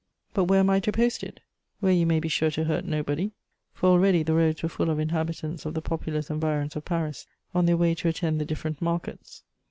"'But where am I to post it?' "'Where you may be sure to hurt nobody.' "For already the roads were full of inhabitants of the populous environs of Paris on their way to attend the different markets.